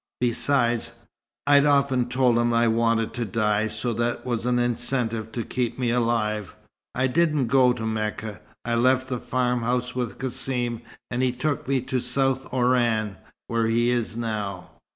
Besides, I'd often told him I wanted to die, so that was an incentive to keep me alive. I didn't go to Mecca. I left the farm house with Cassim, and he took me to South Oran, where he is now.